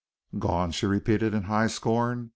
"Gone!" she repeated in high scorn.